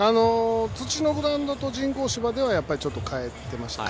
土のグラウンドと人工芝ではちょっと変えていましたね。